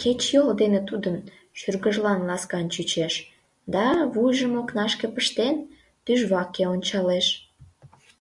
Кечыйол дене тудын шӱргыжлан ласкан чучеш, да, вуйжым окнашке пыштен, тӱжваке ончалеш.